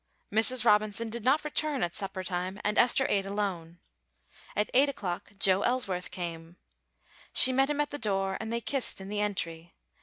Mrs. Robinson did not return at supper time, and Esther ate alone. At eight o'clock Joe Elsworth came. She met him at the door, and they kissed in the entry.